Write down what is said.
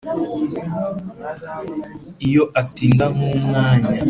iyo atinda nk'umwanya